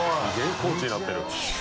コーチになってる。